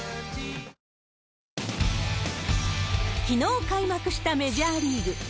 きのう開幕したメジャーリーグ。